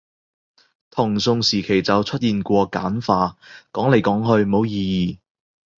唐宋時期就出現過簡化，講來講去冇意義